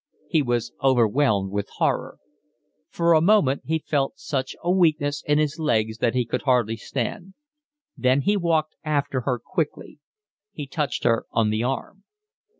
He was overwhelmed with horror. For a moment he felt such a weakness in his legs that he could hardly stand; then he walked after her quickly; he touched her on the arm.